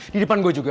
di depan gue juga